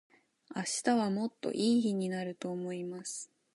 明日はもっと良い日になると思います。